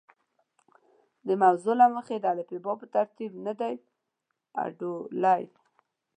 د موضوع له مخې د الفبا په ترتیب نه دي اوډلي.